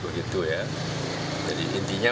begitu ya jadi intinya